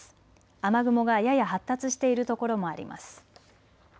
雨雲がやや発達している所もあります。